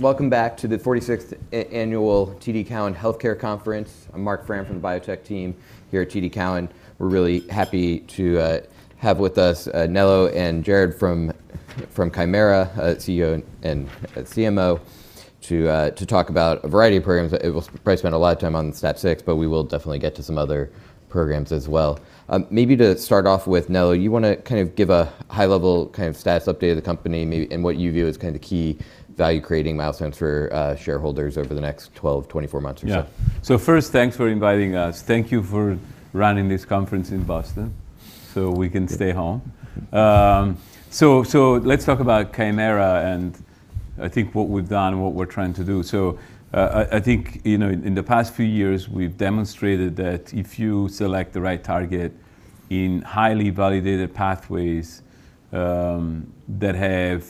Welcome back to the 46th annual TD Cowen Healthcare Conference. I'm Marc Frahm from the biotech team here at TD Cowen. We're really happy to have with us Nello and Jared from Kymera, CEO and CMO to talk about a variety of programs. We'll probably spend a lot of time on STAT6, but we will definitely get to some other programs as well. Maybe to start off with, Nello, you wanna kind of give a high level kind of status update of the company maybe, and what you view as kind of the key value-creating milestones for shareholders over the next 12-24 months or so? Yeah. First, thanks for inviting us. Thank you for running this conference in Boston, so we can stay home. Let's talk about Kymera, and I think what we've done and what we're trying to do. I think, you know, in the past few years we've demonstrated that if you select the right target in highly validated pathways that have,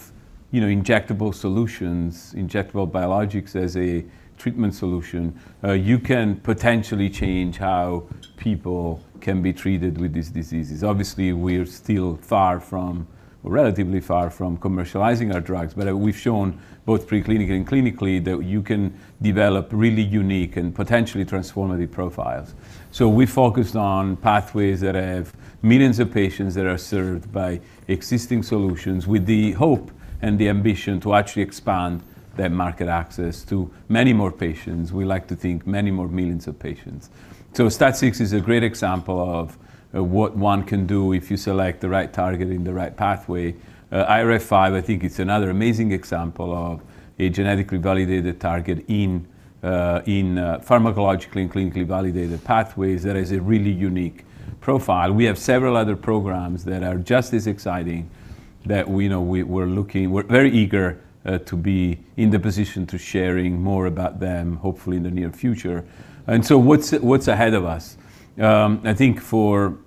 you know, injectable solutions, injectable biologics as a treatment solution, you can potentially change how people can be treated with these diseases. Obviously, we're still far from, relatively far from commercializing our drugs, but we've shown both pre-clinically and clinically that you can develop really unique and potentially transformative profiles. We focused on pathways that have millions of patients that are served by existing solutions with the hope and the ambition to actually expand their market access to many more patients, we like to think many more millions of patients. STAT6 is a great example of what one can do if you select the right target and the right pathway. IRF5 I think is another amazing example of a genetically validated target in pharmacological and clinically validated pathways that has a really unique profile. We have several other programs that are just as exciting that we know we're very eager to be in the position to sharing more about them, hopefully in the near future. What's, what's ahead of us? I think for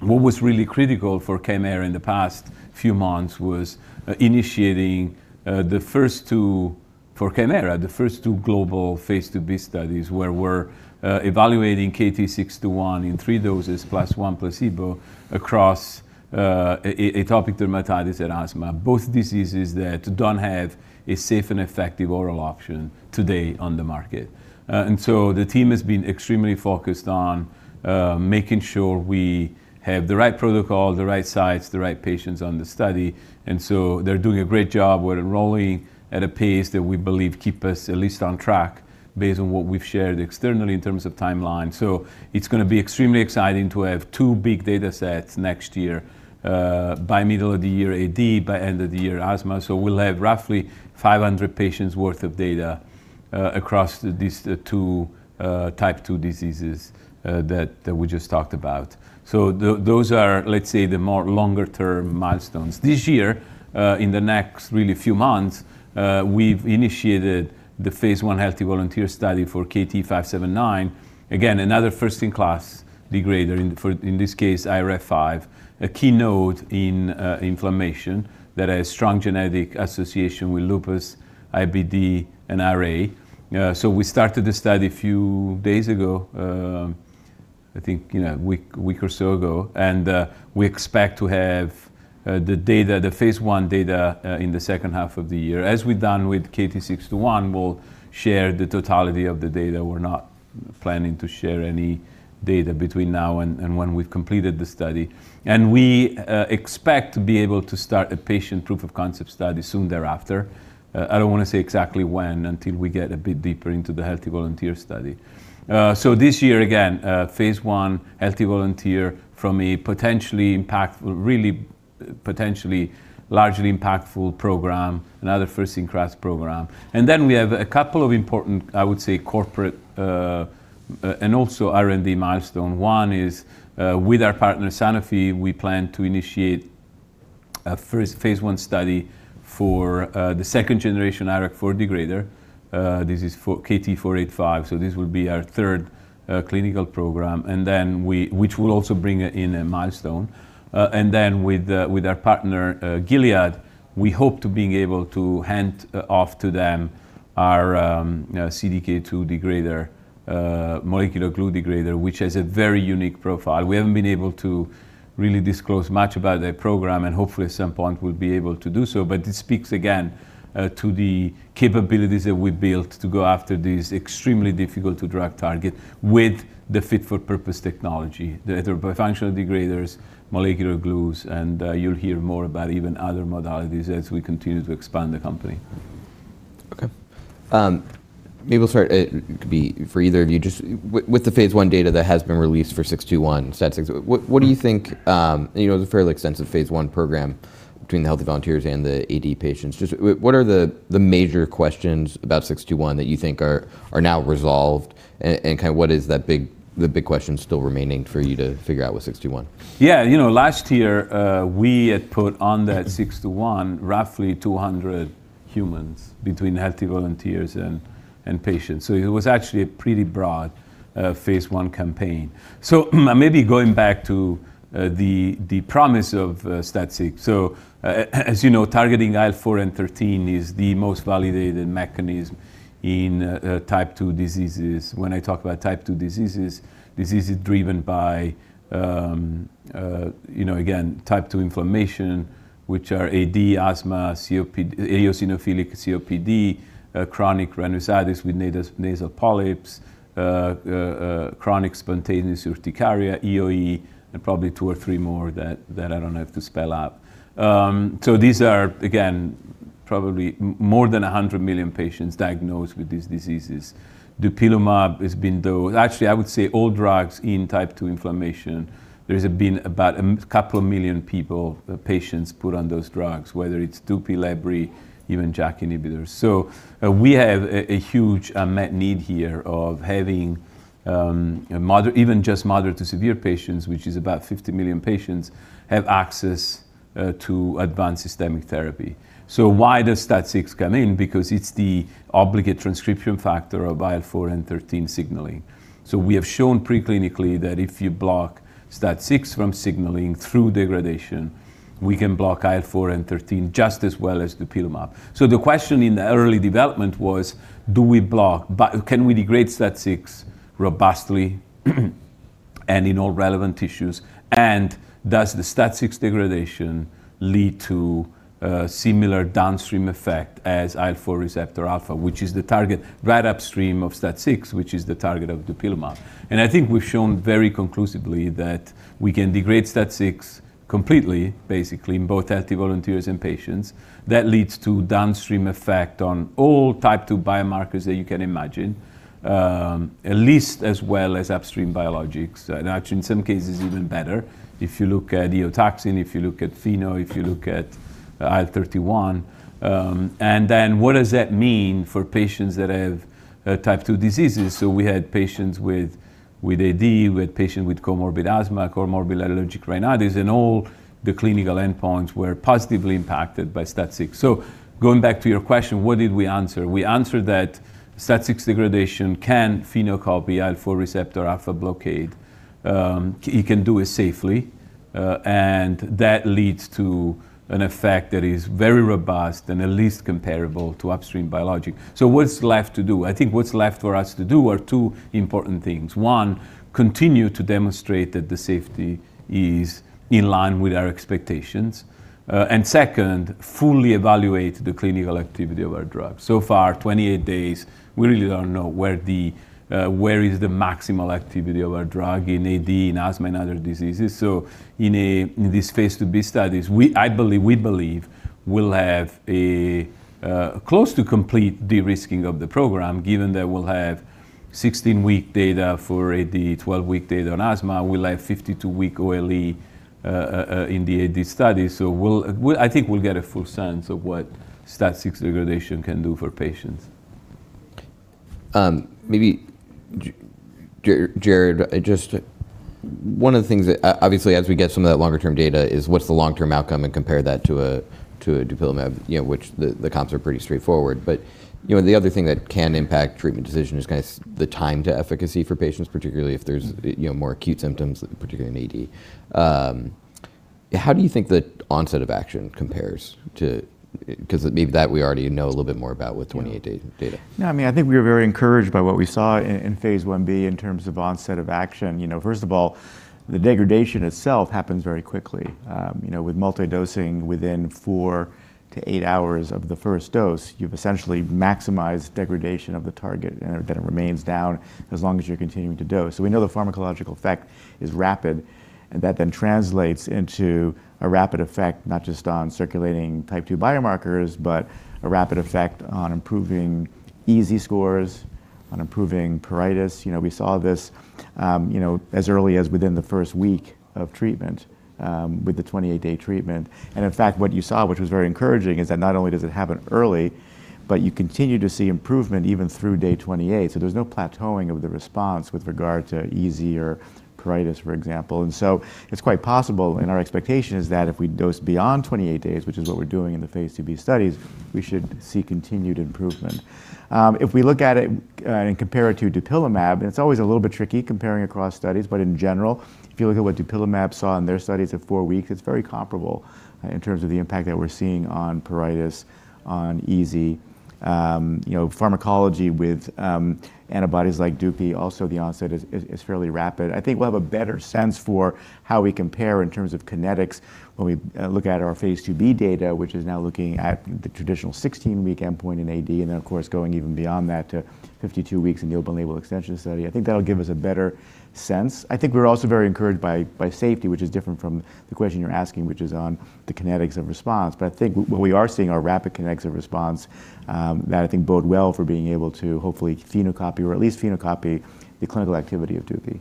what was really critical for Kymera in the past few months was initiating the first 2, for Kymera, the first 2 global phase 2B studies, where we're evaluating KT-621 in 3 doses plus 1 placebo across atopic dermatitis and asthma, both diseases that don't have a safe and effective oral option today on the market. The team has been extremely focused on making sure we have the right protocol, the right sites, the right patients on the study, and so they're doing a great job. We're enrolling at a pace that we believe keep us at least on track based on what we've shared externally in terms of timeline. It's gonna be extremely exciting to have 2 big datasets next year by middle of the year AD, by end of the year asthma. We'll have roughly 500 patients worth of data across these two Type 2 diseases that we just talked about. Those are, let's say, the more longer-term milestones. This year, in the next really few months, we've initiated the phase 1 healthy volunteer study for KT-579. Again, another first-in-class degrader in for, in this case, IRF5, a key node in inflammation that has strong genetic association with lupus, IBD, and RA. We started the study a few days ago, you know, week or so ago, we expect to have the data, the phase 1 data, in the second half of the year. As we've done with KT-621, we'll share the totality of the data. We're not planning to share any data between now and when we've completed the study. We expect to be able to start a patient proof of concept study soon thereafter. I don't wanna say exactly when until we get a bit deeper into the healthy volunteer study. This year, again, phase 1 healthy volunteer from a potentially impactful, really potentially largely impactful program, another first in class program. We have a couple of important, I would say, corporate, and also R&D milestone. One is, with our partner Sanofi, we plan to initiate a first phase 1 study for the second generation IRAK4 degrader. This is for KT-485, this will be our third clinical program, which will also bring in a milestone. And then with with our partner Gilead, we hope to being able to hand off to them our CDK2 degrader, molecular glue degrader, which has a very unique profile. We haven't been able to really disclose much about their program, and hopefully at some point we'll be able to do so. This speaks again to the capabilities that we've built to go after these extremely difficult to drug target with the fit for purpose technology. They're bifunctional degraders, molecular glues, and you'll hear more about even other modalities as we continue to expand the company. Okay. Maybe we'll start, it could be for either of you, just with the phase 1 data that has been released for KT-621, STAT6, what do you think, you know, it was a fairly extensive phase 1 program between the healthy volunteers and the AD patients. Just what are the major questions about KT-621 that you think are now resolved and kinda what is that big question still remaining for you to figure out with KT-621? Yeah. You know, last year, we had put on that KT-621 roughly 200 humans between healthy volunteers and patients. It was actually a pretty broad phase 1 campaign. Maybe going back to the promise of STAT6. As you know, targeting IL-4 and IL-13 is the most validated mechanism in Type 2 diseases. When I talk about Type 2 diseases driven by, you know, again, Type 2 inflammation, which are AD, asthma, COPD, eosinophilic COPD, chronic rhinosinusitis with nasal polyps, chronic spontaneous urticaria, EOE, and probably two or three more that I don't have to spell out. These are again. Probably more than 100 million patients diagnosed with these diseases. Dupilumab has been though. Actually, I would say all drugs in Type 2 inflammation, there's been about 2 million people, patients put on those drugs, whether it's dupilumab, even JAK inhibitors. We have a huge unmet need here of having moderate... even just moderate to severe patients, which is about 50 million patients, have access to advanced systemic therapy. Why does STAT6 come in? Because it's the obligate transcription factor of IL-4 and IL-13 signaling. We have shown preclinically that if you block STAT6 from signaling through degradation, we can block IL-4 and IL-13 just as well as dupilumab. The question in the early development was, do we block? Can we degrade STAT6 robustly and in all relevant tissues? Does the STAT6 degradation lead to a similar downstream effect as IL-4 receptor alpha, which is the target right upstream of STAT6, which is the target of dupilumab. I think we've shown very conclusively that we can degrade STAT6 completely, basically, in both healthy volunteers and patients. That leads to downstream effect on all Type 2 biomarkers that you can imagine, at least as well as upstream biologics, and actually in some cases even better if you look at Eotaxin, if you look at FeNO, if you look at IL-31. What does that mean for patients that have Type 2 diseases? We had patients with AD, we had patient with comorbid asthma, comorbid allergic rhinitis, and all the clinical endpoints were positively impacted by STAT6. Going back to your question, what did we answer? We answered that STAT6 degradation can phenocopy IL-4 receptor alpha blockade. It can do it safely, and that leads to an effect that is very robust and at least comparable to upstream biologic. What's left to do? I think what's left for us to do are two important things. One, continue to demonstrate that the safety is in line with our expectations. Second, fully evaluate the clinical activity of our drug. So far, 28 days, we really don't know where the maximal activity of our drug in AD, in asthma, and other diseases. In these phase 2b studies, we believe we'll have a close to complete de-risking of the program given that we'll have 16-week data for AD, 12-week data on asthma. We'll have 52-week OLE in the AD study. I think we'll get a full sense of what STAT6 degradation can do for patients. Maybe Jared, just one of the things that obviously as we get some of that longer term data is what's the long-term outcome and compare that to a, to a dupilumab, you know, which the comps are pretty straightforward. You know, the other thing that can impact treatment decision is kind of the time to efficacy for patients, particularly if there's, you know, more acute symptoms, particularly in AD. How do you think the onset of action compares to 'Cause maybe that we already know a little bit more about with 28 data. No, I mean, I think we were very encouraged by what we saw in phase 1b in terms of onset of action. You know, first of all, the degradation itself happens very quickly. You know, with multi-dosing within 4 to 8 hours of the first dose, you've essentially maximized degradation of the target. It remains down as long as you're continuing to dose. We know the pharmacological effect is rapid, and that then translates into a rapid effect, not just on circulating Type 2 biomarkers, but a rapid effect on improving EASI scores, on improving pruritus. You know, we saw this, you know, as early as within the first week of treatment, with the 28-day treatment. In fact, what you saw, which was very encouraging, is that not only does it happen early, but you continue to see improvement even through day 28. There's no plateauing of the response with regard to EASI or Pruritus, for example. It's quite possible, and our expectation is that if we dose beyond 28 days, which is what we're doing in the phase 2B studies, we should see continued improvement. If we look at it and compare it to dupilumab, and it's always a little bit tricky comparing across studies. In general, if you look at what dupilumab saw in their studies at 4 weeks, it's very comparable in terms of the impact that we're seeing on Pruritus, on EASI. You know, pharmacology with antibodies like Dupixent, also the onset is fairly rapid. I think we'll have a better sense for how we compare in terms of kinetics when we look at our phase IIb data, which is now looking at the traditional 16-week endpoint in AD, and then of course, going even beyond that to 52 weeks in the open-label extension study. I think that'll give us a better sense. I think we're also very encouraged by safety, which is different from the question you're asking, which is on the kinetics of response. What we are seeing are rapid kinetics of response, that I think bode well for being able to hopefully phenocopy or at least phenocopy the clinical activity of Dupixent.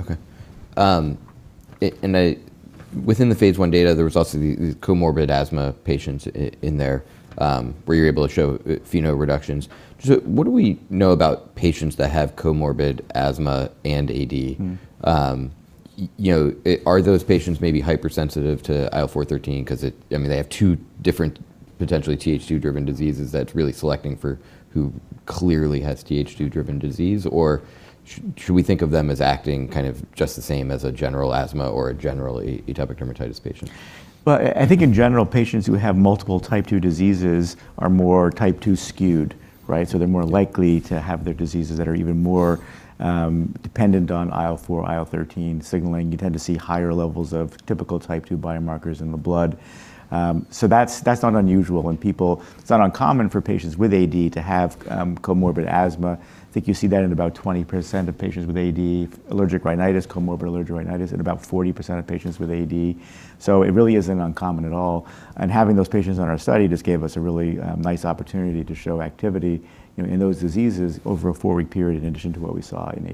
Okay. And I Within the phase one data, there was also the comorbid asthma patients in there, where you're able to show FeNO reductions. What do we know about patients that have comorbid asthma and AD? Mm-hmm. You know, are those patients maybe hypersensitive to IL-4 13 'cause it? I mean, they have two different potentially TH2 driven diseases that's really selecting for who clearly has TH2 driven disease. Should we think of them as acting kind of just the same as a general asthma or a general atopic dermatitis patient? Well, I think in general, patients who have multiple Type 2 diseases are more Type 2 skewed, right? They're more likely to have their diseases that are even more Dependent on IL-4, IL-13 signaling, you tend to see higher levels of typical Type II biomarkers in the blood. That's, that's not unusual in people. It's not uncommon for patients with AD to have comorbid asthma. I think you see that in about 20% of patients with AD. Allergic rhinitis, comorbid allergic rhinitis in about 40% of patients with AD. It really isn't uncommon at all, and having those patients on our study just gave us a really nice opportunity to show activity, you know, in those diseases over a 4-week period in addition to what we saw in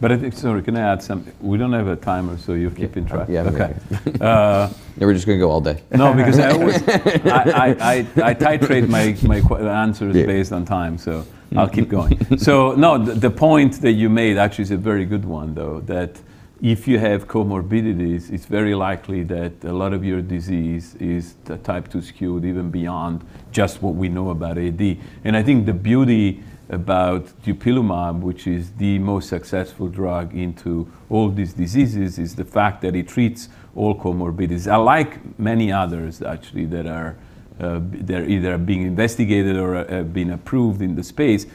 AD. Sorry, can I add something? We don't have a timer, you're keeping track. Yeah. Okay. Okay. Yeah, we're just gonna go all day. No, because I always I titrate my the answers. Yeah... based on time, so I'll keep going. No, the point that you made actually is a very good one though, that if you have comorbidities, it's very likely that a lot of your disease is the Type II skewed even beyond just what we know about AD. I think the beauty about dupilumab, which is the most successful drug into all these diseases, is the fact that it treats all comorbidities. Unlike many others actually that are, they're either being investigated or, been approved in the space,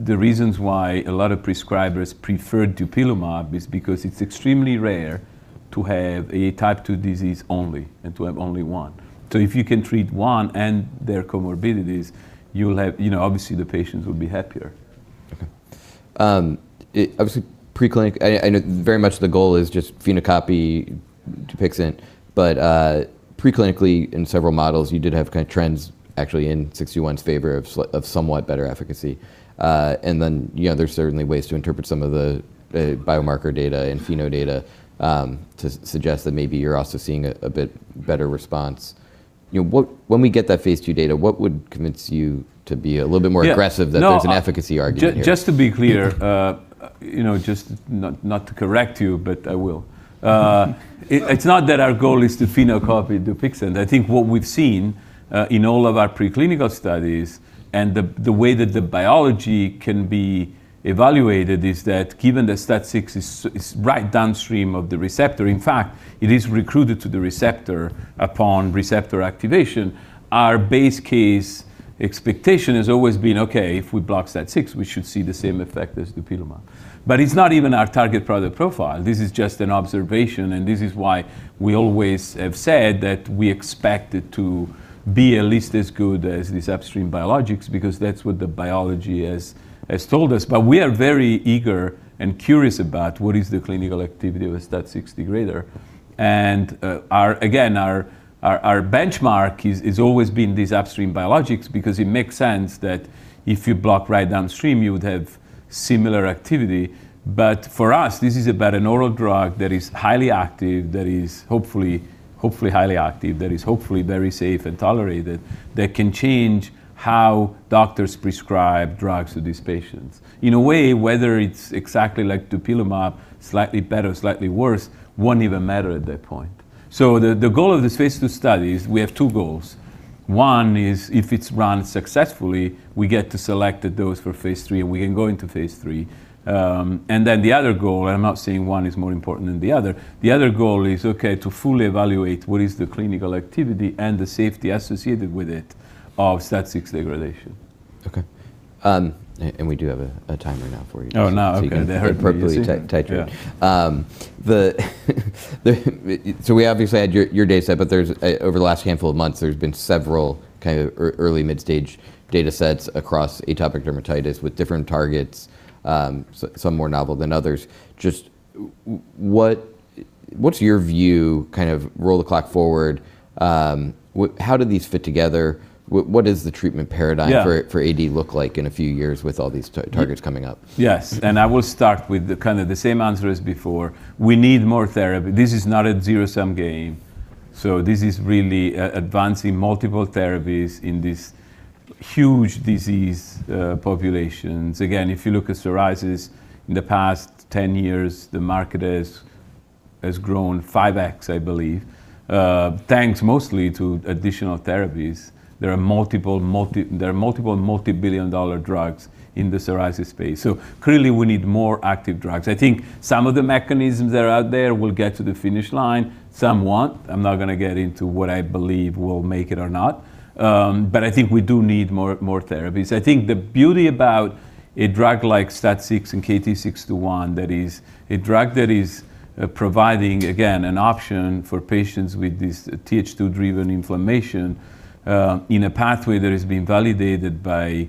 the reasons why a lot of prescribers prefer dupilumab is because it's extremely rare to have a Type II disease only and to have only one. If you can treat one and their comorbidities, you'll have. You know, obviously, the patients will be happier. Okay. obviously, I know very much the goal is just phenocopy Dupixent, but pre-clinically in several models, you did have kind of trends actually in KT-621's favor of somewhat better efficacy. You know, there's certainly ways to interpret some of the biomarker data and FeNO data to suggest that maybe you're also seeing a bit better response. You know, When we get that phase II data, what would convince you to be a little bit more? Yeah ...aggressive that there's an efficacy argument here? No, just to be clear, you know, just not to correct you, but I will. It's not that our goal is to phenocopy Dupixent. I think what we've seen, in all of our preclinical studies and the way that the biology can be evaluated is that given that STAT6 is right downstream of the receptor, in fact, it is recruited to the receptor upon receptor activation, our base case expectation has always been, okay, if we block STAT6, we should see the same effect as dupilumab. It's not even our target product profile. This is just an observation, and this is why we always have said that we expect it to be at least as good as these upstream biologics because that's what the biology has told us. We are very eager and curious about what is the clinical activity with STAT6 degrader. Our benchmark is always been these upstream biologics because it makes sense that if you block right downstream, you would have similar activity. For us, this is about an oral drug that is highly active, that is hopefully highly active, that is hopefully very safe and tolerated, that can change how doctors prescribe drugs to these patients. In a way, whether it's exactly like dupilumab, slightly better, slightly worse, won't even matter at that point. The goal of this phase II study is we have two goals. One is if it's run successfully, we get to select the dose for phase III, and we can go into phase III. The other goal, and I'm not saying one is more important than the other, the other goal is, okay, to fully evaluate what is the clinical activity and the safety associated with it of STAT6 degradation. Okay. We do have a timer now for you. Oh, now. Okay. you can appropriately titrate. Yeah. The so we obviously had your dataset. There's over the last handful of months, there's been several kind of early mid-stage datasets across atopic dermatitis with different targets, some more novel than others. Just what's your view, kind of roll the clock forward, how do these fit together? What does the treatment paradigm- Yeah for AD look like in a few years with all these targets coming up? Yes, I will start with the kinda the same answer as before. We need more therapy. This is not a zero-sum game, this is really advancing multiple therapies in these huge disease populations. If you look at psoriasis in the past 10 years, the market has grown 5x, I believe, thanks mostly to additional therapies. There are multiple multi-billion dollar drugs in the psoriasis space, clearly, we need more active drugs. I think some of the mechanisms that are out there will get to the finish line. Some won't. I'm not gonna get into what I believe will make it or not. I think we do need more therapies. I think the beauty about a drug like STAT6 and KT-621 that is a drug that is providing, again, an option for patients with this TH2-driven inflammation, in a pathway that has been validated by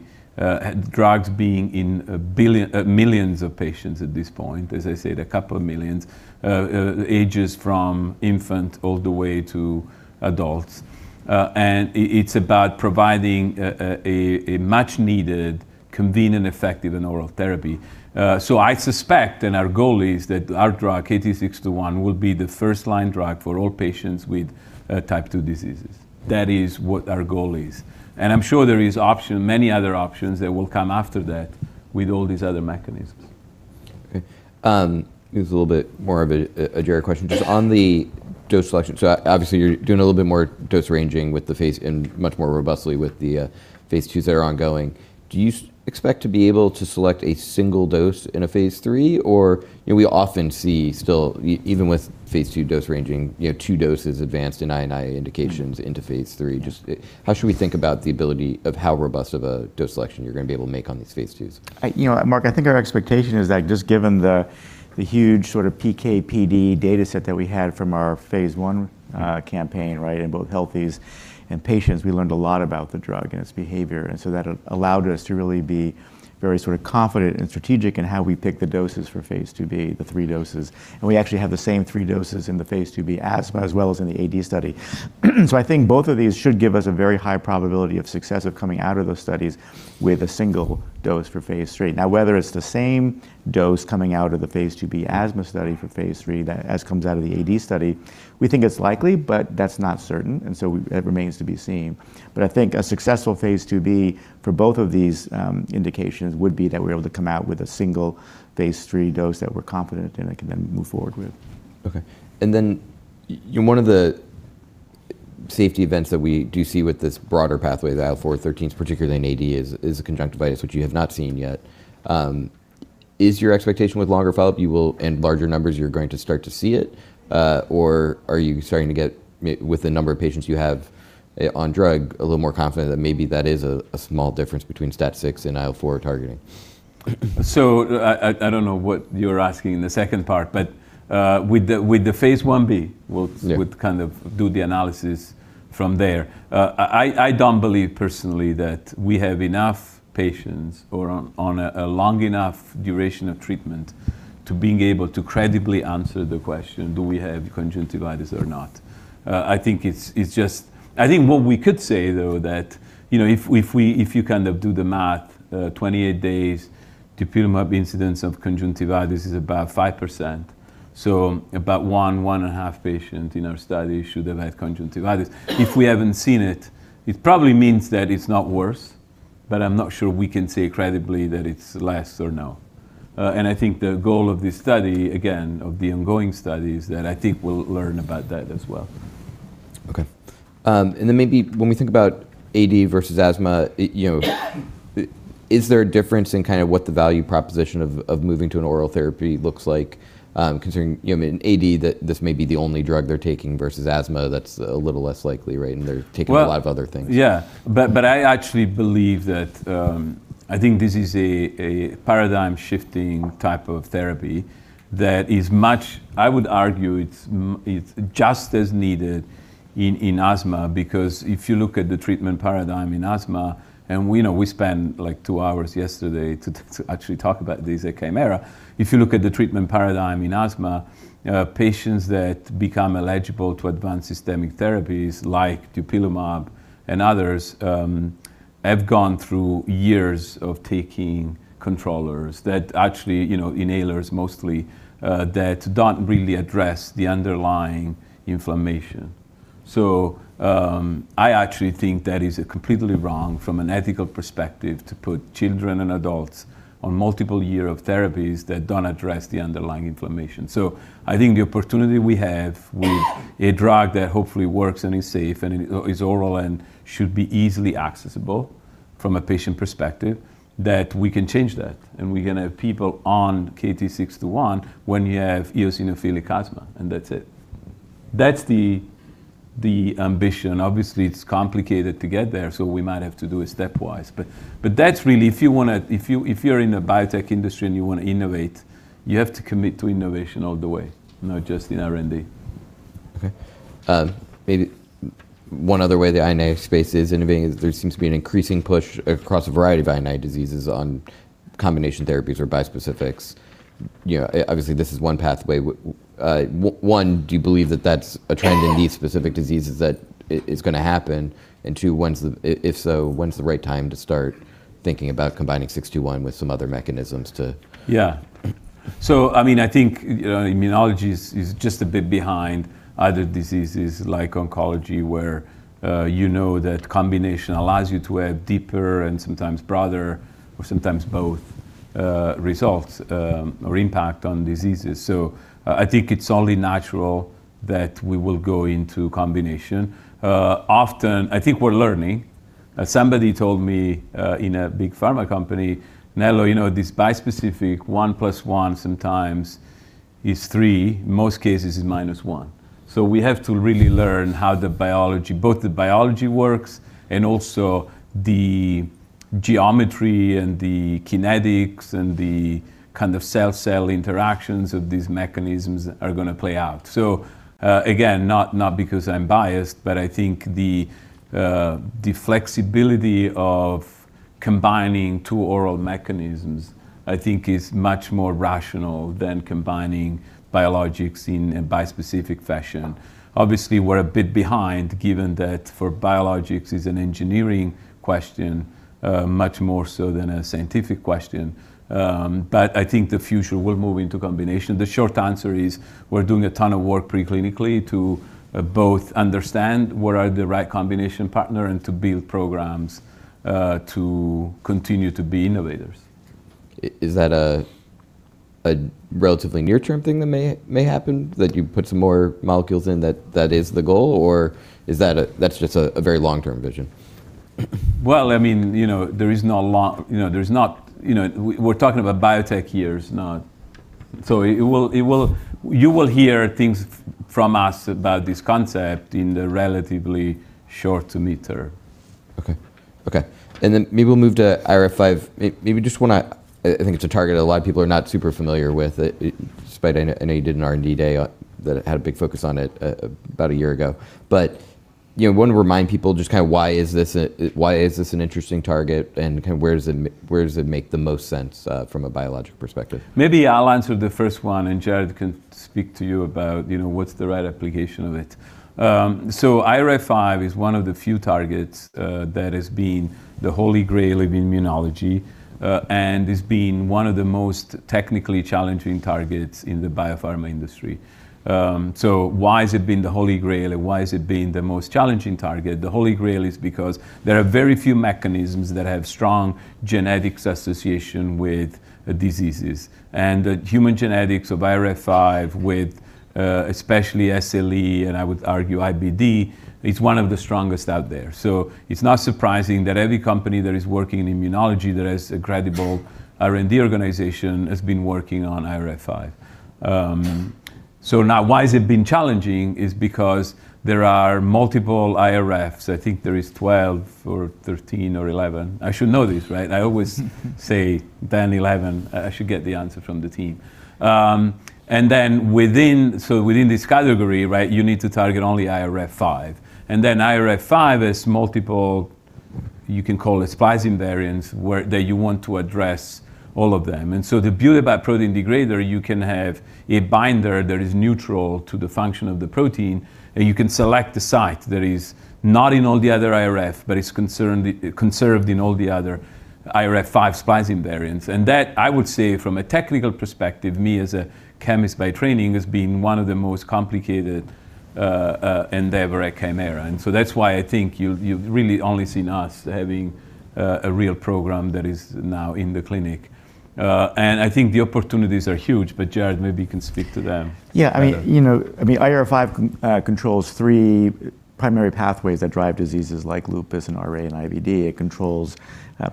drugs being in a billion, millions of patients at this point, as I said, a couple of millions, ages from infant all the way to adults. It's about providing a much needed, convenient, effective, and oral therapy. I suspect, and our goal is that our drug, KT-621, will be the first line drug for all patients with Type II diseases. That is what our goal is, and I'm sure there is option, many other options that will come after that with all these other mechanisms. Okay. Here's a little bit more of a Jared question. Just on the dose selection, so obviously you're doing a little bit more dose ranging with the phase and much more robustly with the phase twos that are ongoing. Do you expect to be able to select a single dose in a phase three? You know, we often see still even with phase two dose ranging, you know, two doses advanced in I&I indications into phase three. Just how should we think about the ability of how robust of a dose selection you're gonna be able to make on these phase twos? You know, Marc, I think our expectation is that just given the huge sort of PK/PD data set that we had from our phase 1 campaign, right? In both healthies and patients, we learned a lot about the drug and its behavior. That allowed us to really be very sort of confident and strategic in how we pick the doses for phase 2B, the 3 doses. We actually have the same 3 doses in the phase 2B asthma as well as in the AD study. I think both of these should give us a very high probability of success of coming out of those studies with a single dose for phase 3. Now, whether it's the same dose coming out of the phase 2B asthma study for phase 3 that... comes out of the AD study, we think it's likely, but that's not certain, so it remains to be seen. I think a successful phase 2B for both of these indications would be that we're able to come out with a single phase 3 dose that we're confident in and can then move forward with. Okay. In one of the safety events that we do see with this broader pathway, the IL-4 13's, particularly in AD, is a conjunctivitis, which you have not seen yet. Is your expectation with longer follow-up, you will and larger numbers, you're going to start to see it, or are you starting to get with the number of patients you have on drug, a little more confident that maybe that is a small difference between STAT6 and IL-4 targeting? I don't know what you're asking in the second part, but, with the phase 1B- Yeah we'll, we'd kind of do the analysis from there. I don't believe personally that we have enough patients or on a long enough duration of treatment to being able to credibly answer the question, do we have conjunctivitis or not? I think it's just I think what we could say, though, that, you know, if we, if you kind of do the math, 28 days, dupilumab incidence of conjunctivitis is about 5%, so about 1 and a half patient in our study should have had conjunctivitis. If we haven't seen it probably means that it's not worse, but I'm not sure we can say credibly that it's less or no. I think the goal of this study, again, of the ongoing study, is that I think we'll learn about that as well. Okay. Then maybe when we think about AD versus asthma, you know, is there a difference in kind of what the value proposition of moving to an oral therapy looks like, considering, you know, in AD that this may be the only drug they're taking versus asthma that's a little less likely, right? They're taking. Well- ...a lot of other things. Yeah. I actually believe that, I think this is a paradigm-shifting type of therapy that is much... I would argue it's just as needed in asthma because if you look at the treatment paradigm in asthma, we know we spent, like, 2 hours yesterday to actually talk about this at Kymera. If you look at the treatment paradigm in asthma, patients that become eligible to advanced systemic therapies like dupilumab and others, have gone through years of taking controllers that actually, you know, inhalers mostly, that don't really address the underlying inflammation. I actually think that is completely wrong from an ethical perspective to put children and adults on multiple year of therapies that don't address the underlying inflammation. I think the opportunity we have with a drug that hopefully works and is safe and is oral and should be easily accessible from a patient perspective, that we can change that. We're gonna have people on KT-621 when you have eosinophilic asthma. That's it. That's the ambition. Obviously, it's complicated to get there. We might have to do it stepwise. That's really... If you're in the biotech industry and you wanna innovate, you have to commit to innovation all the way, not just in R&D. Okay. Maybe one other way the I&I space is innovating is there seems to be an increasing push across a variety of I&I diseases on combination therapies or bispecifics. You know, obviously, this is one pathway. One, do you believe that that's a trend in these specific diseases that is gonna happen? Two, if so, when's the right time to start thinking about combining KT-621 with some other mechanisms. I mean, I think immunology is just a bit behind other diseases like oncology, where, you know that combination allows you to have deeper and sometimes broader or sometimes both, results or impact on diseases. I think it's only natural that we will go into combination. Often, I think we're learning. Somebody told me in a big pharma company, "Nello, you know, this bispecific one plus one sometimes is three. In most cases, it's minus one." We have to really learn how the biology works and also the geometry and the kinetics and the kind of cell-cell interactions of these mechanisms are gonna play out. Again, not because I'm biased, but I think the flexibility of combining two oral mechanisms, I think is much more rational than combining biologics in a bispecific fashion. Obviously, we're a bit behind given that for biologics, it's an engineering question, much more so than a scientific question. I think the future will move into combination. The short answer is we're doing a ton of work pre-clinically to both understand what are the right combination partner and to build programs to continue to be innovators. Is that a? A relatively near-term thing that may happen, that you put some more molecules in, that is the goal? Or is that just a very long-term vision? Well, I mean, you know, there is no long, you know, there is not. You know, we're talking about biotech years, not. It will, it will, you will hear things from us about this concept in the relatively short to midterm. Okay. Okay. Maybe we'll move to IRF5. maybe just I think it's a target a lot of people are not super familiar with. It Despite I know you did an R&D day that had a big focus on it about a year ago. you know, wanna remind people just kinda why is this an interesting target and kind of where does it where does it make the most sense from a biologic perspective? Maybe I'll answer the first one, Jared can speak to you about, you know, what's the right application of it. IRAK4 is one of the few targets that has been the Holy Grail of immunology, and it's been one of the most technically challenging targets in the biopharma industry. Why has it been the Holy Grail and why has it been the most challenging target? The Holy Grail is because there are very few mechanisms that have strong genetics association with diseases, and the human genetics of IRAK4 with especially SLE, and I would argue IBD, is one of the strongest out there. It's not surprising that every company that is working in immunology that has a credible R&D organization has been working on IRAK4. Now why has it been challenging is because there are multiple IRFs. I think there is 12 or 13 or 11. I should know this, right? I always say 10, 11. I should get the answer from the team. Within this category, right, you need to target only IRF5. Then IRF5 has multiple, you can call it splicing variants that you want to address all of them. The beauty about protein degrader, you can have a binder that is neutral to the function of the protein, and you can select the site that is not in all the other IRF, but is conserved in all the other IRF5 splicing variants. That, I would say from a technical perspective, me as a chemist by training, as being one of the most complicated endeavor at Kymera. That's why I think you've really only seen us having a real program that is now in the clinic. I think the opportunities are huge, but Jared maybe can speak to them better. I mean, you know, I mean, IRF5 controls 3 primary pathways that drive diseases like lupus and RA and IBD. It controls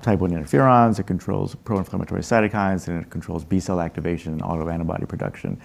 Type I interferons, it controls pro-inflammatory cytokines, and it controls B cell activation and autoantibody production.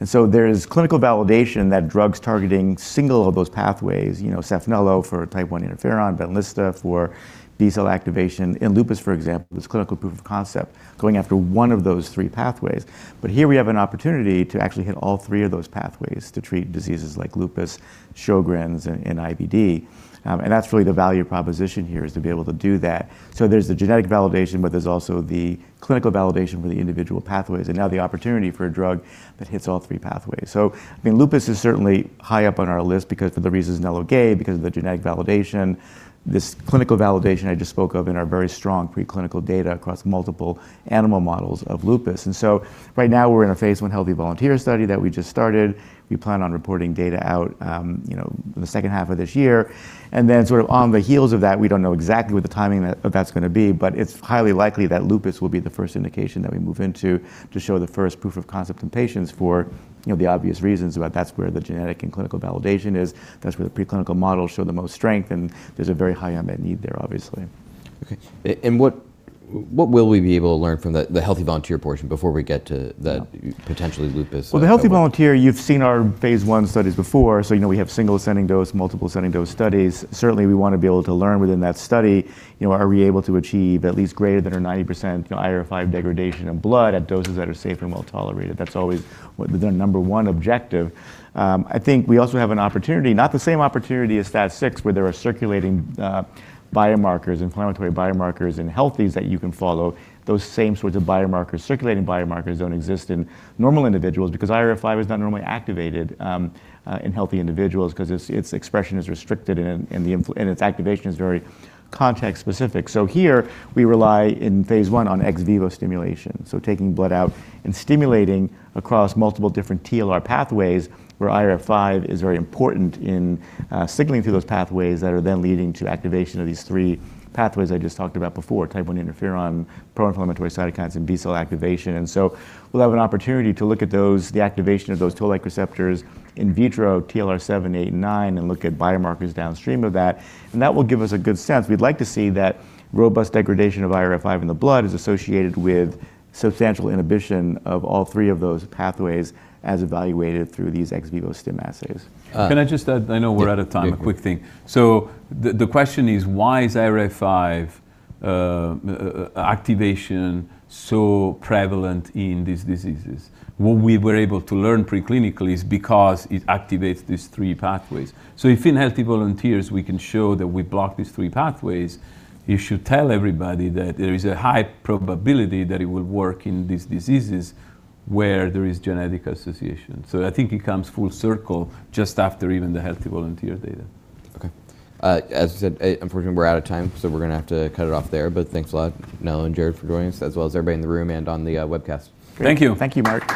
There's clinical validation that drugs targeting 1 of those pathways, you know, SAPHNELO for Type I interferon, BENLYSTA for B cell activation in lupus, for example, there's clinical proof of concept going after 1 of those 3 pathways. Here we have an opportunity to actually hit all 3 of those pathways to treat diseases like lupus, Sjögren's, and IBD. That's really the value proposition here is to be able to do that. There's the genetic validation, but there's also the clinical validation for the individual pathways, and now the opportunity for a drug that hits all 3 pathways. I mean, lupus is certainly high up on our list because for the reasons Nello gave, because of the genetic validation, this clinical validation I just spoke of and our very strong preclinical data across multiple animal models of lupus. Right now we're in a phase I healthy volunteer study that we just started. We plan on reporting data out, you know, the second half of this year. Sort of on the heels of that, we don't know exactly what the timing of that, of that's gonna be, but it's highly likely that lupus will be the first indication that we move into to show the first proof of concept in patients for, you know, the obvious reasons about that's where the genetic and clinical validation is, that's where the preclinical models show the most strength, and there's a very high unmet need there obviously. Okay. What will we be able to learn from the healthy volunteer portion before we get to that potentially lupus or the other one? The healthy volunteer, you've seen our phase 1 studies before, so you know we have single ascending dose, multiple ascending dose studies. Certainly, we wanna be able to learn within that study, you know, are we able to achieve at least greater than our 90%, you know, IRF5 degradation in blood at doses that are safe and well-tolerated. That's always what the number 1 objective. I think we also have an opportunity, not the same opportunity as STAT6, where there are circulating biomarkers, inflammatory biomarkers in healthies that you can follow, those same sorts of biomarkers. Circulating biomarkers don't exist in normal individuals because IRF5 is not normally activated in healthy individuals 'cause its expression is restricted and its activation is very context specific. Here we rely in phase I on ex vivo stimulation, so taking blood out and stimulating across multiple different TLR pathways, where IRF5 is very important in signaling through those pathways that are then leading to activation of these three pathways I just talked about before, Type I interferons, pro-inflammatory cytokines, and B cell activation. We'll have an opportunity to look at those, the activation of those Toll-like receptors in vitro, TLR7, 8, and 9, and look at biomarkers downstream of that. That will give us a good sense. We'd like to see that robust degradation of IRF5 in the blood is associated with substantial inhibition of all three of those pathways as evaluated through these ex vivo stimulation assays. Uh- Can I just add? I know we're out of time. Yeah. Big picture. A quick thing. The question is why is IRF5 activation so prevalent in these diseases? What we were able to learn preclinically is because it activates these three pathways. If in healthy volunteers we can show that we block these three pathways, it should tell everybody that there is a high probability that it will work in these diseases where there is genetic association. I think it comes full circle just after even the healthy volunteer data. Okay. As I said, unfortunately, we're out of time, so we're gonna have to cut it off there, but thanks a lot, Nello and Jared for joining us, as well as everybody in the room and on the webcast. Thank you. Thank you, Marc.